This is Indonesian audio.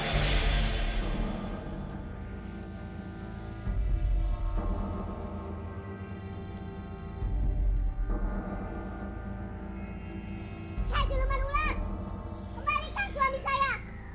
hai siluman ular kembalikan suami saya